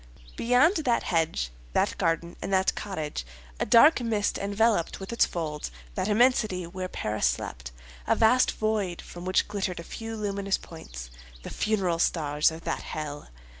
Beyond that hedge, that garden, and that cottage, a dark mist enveloped with its folds that immensity where Paris slept—a vast void from which glittered a few luminous points, the funeral stars of that hell!